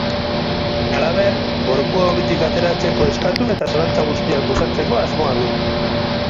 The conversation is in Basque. Halaber, gorpua hobitik ateratzeko eskatu eta zalantza guztiak uxatzeko asmoa du.